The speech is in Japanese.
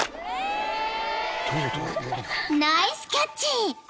［ナイスキャッチ！］